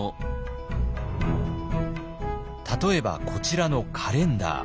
例えばこちらのカレンダー。